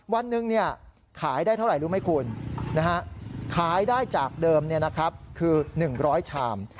วันหนึ่งขายได้เท่าไหร่รู้ไหมคุณขายได้จากเดิมคือ๑๐๐ชาม